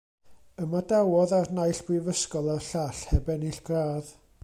Ymadawodd a'r naill brifysgol a'r llall heb ennill gradd.